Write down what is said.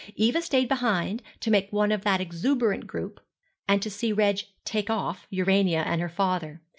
Eva stayed behind, to make one of that exuberant group, and to see Reg 'take off' Urania and her father.